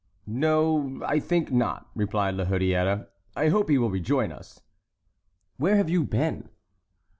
"No, I think not," replied La Hurière; "I hope he will rejoin us!" "Where have you been?"